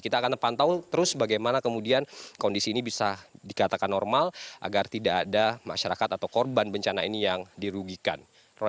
kita akan pantau terus bagaimana kemudian kondisi ini bisa dikatakan normal agar tidak ada masyarakat atau korban bencana ini yang dirugikan